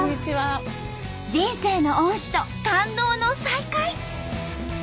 人生の恩師と感動の再会。